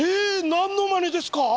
何のまねですか！？